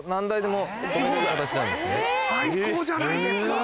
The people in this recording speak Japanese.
最高じゃないですか。